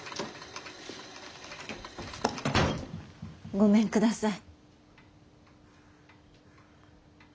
ごめんください。